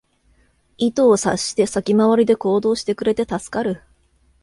意図を察して先回りで行動してくれて助かる